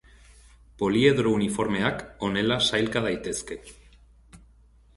Poliedro uniformeak honela sailka daitezke.